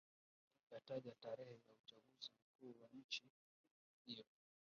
yataja tarehe ya uchaguzi mkuu wa nchi hiyo